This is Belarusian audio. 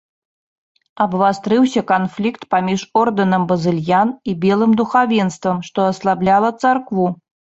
Абвастрыўся канфлікт паміж ордэнам базыльян і белым духавенствам, што аслабляла царкву.